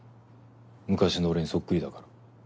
昔の俺にそっくりだから。